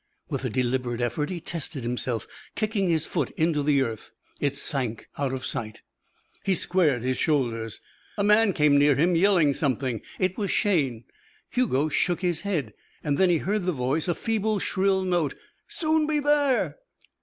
With a deliberate effort he tested himself, kicking his foot into the earth. It sank out of sight. He squared his shoulders. A man came near him, yelling something. It was Shayne. Hugo shook his head. Then he heard the voice, a feeble shrill note. "Soon be there."